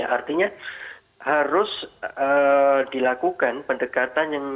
artinya harus dilakukan pendekatan